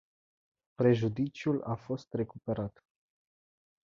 Prejudiciul a fost recuperat.